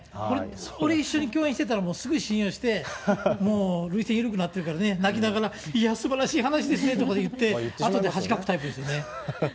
俺、一緒に共演してたらすぐ信用して、もう涙腺緩くなっているからね、泣きながら、いや、すばらしい話ですねって言って、あとで恥かくタイプですよね。